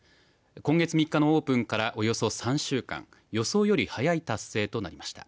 今月３日のオープンからおよそ３週間予想より早い達成となりました。